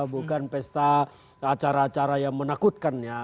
bukan pesta acara acara yang menakutkannya